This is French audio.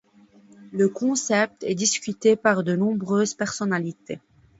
Le concept est discuté par de nombreuses personnalités.